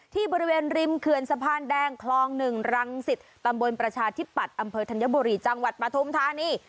ที่บริเวณริมเขื่อนสะพานแดงคลอง๑รังสิตตำบลประชาธิปัตย์อำเภอธัญบุรีจังหวัดปฐุมธานี